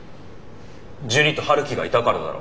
ジュニと陽樹がいたからだろ。